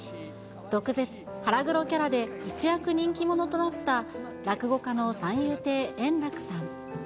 毒舌、腹黒キャラで一躍人気者となった落語家の三遊亭円楽さん。